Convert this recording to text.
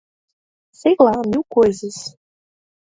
Sei lá, mil coisas!